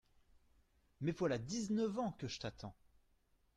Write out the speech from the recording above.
Mais voilà dix-neuf ans que je t’attends !